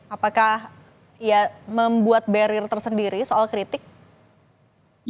apakah ya membuat barrier tersendiri soal kritik